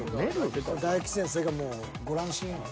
大吉先生がもうご乱心よ。